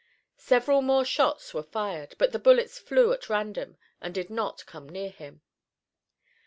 Several more shots were fired, but the bullets flew at random and did not come near him.